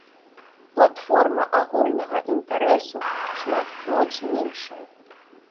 Платформа агульнага інтарэсу шматкроць меншая.